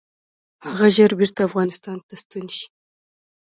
هغه ژر بیرته افغانستان ته ستون شي.